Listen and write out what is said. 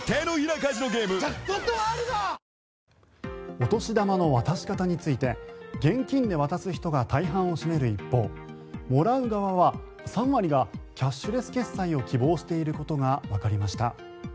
お年玉の渡し方について現金で渡す人が大半を占める一方もらう側は３割がキャッシュレス決済を希望していることがわかりました。